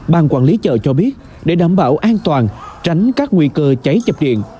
ban quản lý chợ cho biết để đảm bảo an toàn tránh các nguy cơ cháy chập điện